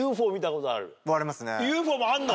ＵＦＯもあんの？